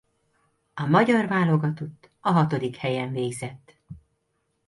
A magyar válogatott a hatodik helyen végzett.